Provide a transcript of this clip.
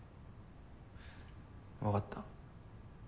わかった。